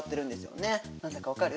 何だか分かる？